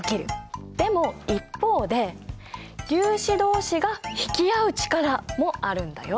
でも一方で「粒子どうしが引き合う力」もあるんだよ。